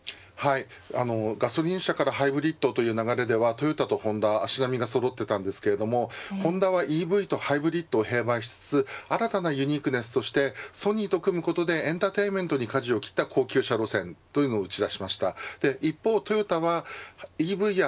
ガソリン車からハイブリッドという流れでは、トヨタとホンダ足並みがそろっていましたがホンダはＥＶとハイブリッドを併売しつつ新たなビジネスとしてソニーと組むことでエンターテインメントにかじを切った高級車路線を打ち出しました。